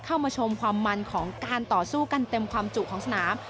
เข้ามาชมความมันของการต่อสู้กันเต็มความจุของสนาม